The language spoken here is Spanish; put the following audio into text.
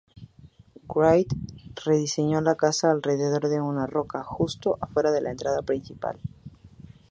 Wright rediseñó la casa alrededor de una roca justo afuera de la entrada principal.